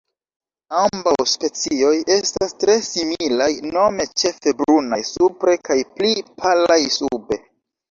Ambaŭ specioj estas tre similaj, nome ĉefe brunaj supre kaj pli palaj sube.